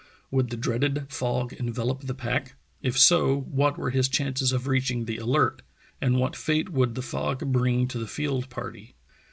Would the dreaded fog envelop the pack? If so, what were his chances of reaching the Alert ? And what fate would the fog bring to the field party?